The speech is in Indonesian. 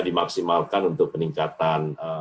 dimaksimalkan untuk peningkatan